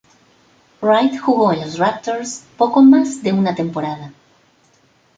Wright jugó en los Raptors poco más de una temporada.